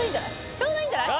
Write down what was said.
ちょうどいいんじゃない？